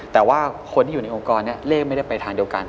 แต่ว่าคนที่อยู่ในองค์กรเลขไม่ได้ไปทางเดียวกัน